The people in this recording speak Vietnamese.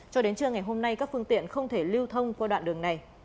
cho đến trưa ngày hôm nay các phương tiện không thể lưu thông qua đoạn đường này